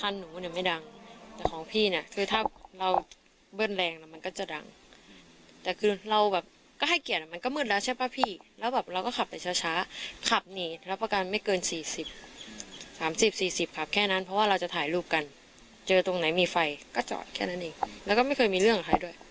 และไม่เคยมีใครมาหาเรื่องด้วย